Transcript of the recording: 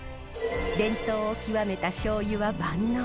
伝統を究めたしょうゆは万能。